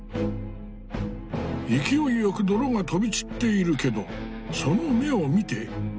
勢いよく泥が飛び散っているけどその目を見て。